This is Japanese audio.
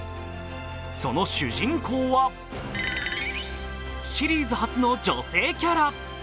その主人公はシリーズ初の女性キャラ。